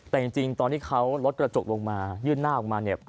แต่จริงตอนที่เขาลดกระจกลงมายื่นหน้าออกมาเนี่ย